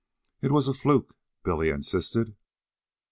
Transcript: "It was a fluke," Billy insisted.